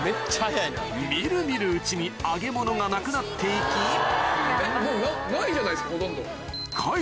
見る見るうちに揚げ物がなくなって行きもうないじゃないですかほとんど。